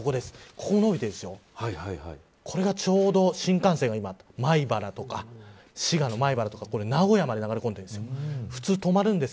今、のびているのが新幹線が米原とか滋賀の米原とか名古屋まで流れ込んでるんです。